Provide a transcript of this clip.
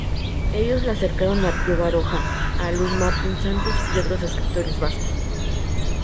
Ellos le acercaron a Pío Baroja, a Luis Martín Santos y otros escritores vascos.